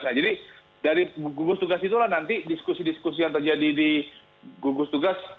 nah jadi dari gugus tugas itulah nanti diskusi diskusi yang terjadi di gugus tugas